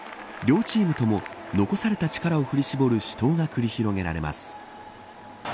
両チームとも残された力を振り絞る死闘が繰り広げられます。